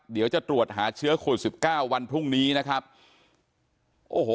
เดี๋ยวจะตรวจหาเชื้อโควิดสิบเก้าวันพรุ่งนี้นะครับโอ้โห